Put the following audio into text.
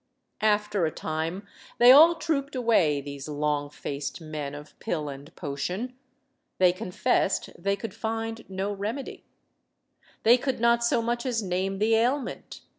After a time they all trooped away, these long faced men of pill and potion. They confessed they could find no remedy. They could not so much as name the ailment.